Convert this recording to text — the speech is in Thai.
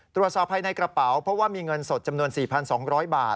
ตรวจสอบภายในกระเป๋าเพราะว่ามีเงินสดจำนวน๔๒๐๐บาท